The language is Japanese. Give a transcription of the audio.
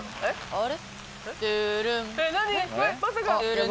あれ？